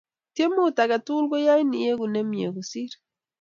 Tiemut age tugul ko yain iegu nemie kosir